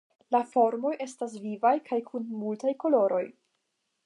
La formoj estas vivaj kaj kun multaj koloroj.